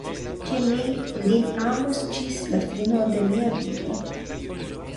Ke mi lin amos ĝis la fino de mia vivo.